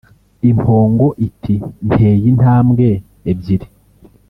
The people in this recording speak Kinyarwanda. impongo iti «nteye intambwe ebyiri